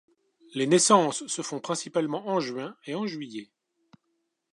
Les naissances se font principalement en juin et en juillet.